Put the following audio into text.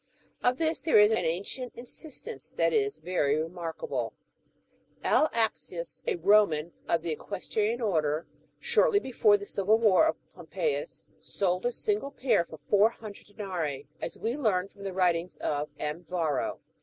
Of this there is an ancient instance that is very remarkable ; L. Axius, a Eoman of the equestrian order, shortly before the Civil "War of Pompeius, sold a single pair for four hundred denarii, as we learn from the writings of M. Yarro.